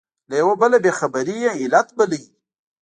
له یوه بله بې خبري یې علت باله.